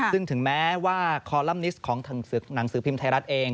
ซึ่งถึงแม้ว่าคอลัมนิสต์ของหนังสือพิมพ์ไทยรัฐเอง